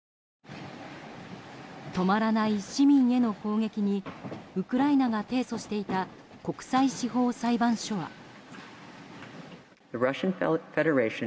止まらない、市民への攻撃にウクライナが提訴していた国際司法裁判所は。